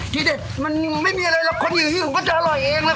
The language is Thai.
ที่เด็ดมันไม่มีอะไรหรอกคนอยู่นี่มันก็จะอร่อยเองล่ะครับ